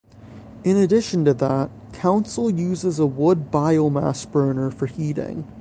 In addition to that, Council uses a wood biomass burner for heating.